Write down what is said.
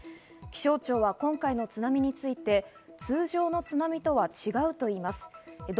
気象庁は今回の津波について通常の津波とは違うと言います。